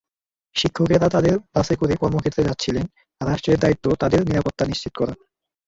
শিক্ষকেরা তাঁদের বাসে করে কর্মক্ষেত্রে যাচ্ছিলেন, রাষ্ট্রের দায়িত্ব তাঁদের নিরাপত্তা নিশ্চিত করা।